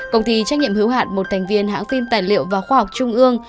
công ty trách nhiệm hữu hạn một thành viên hãng phim tài liệu và khoa học trung ương